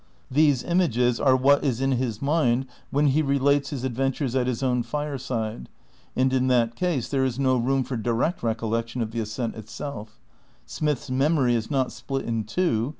These images are what is in his mind when he relates his adventures at his own fireside, and in that case there is no room for direct recollection of the ascent itself. Smith's mem ory is not split in two.